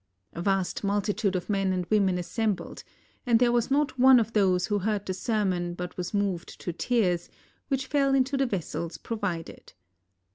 A vast multitude of men and women assembled, and there was not one of those who heard the sermon but was m.oved to tears, which fell into the vessels pro\ ided.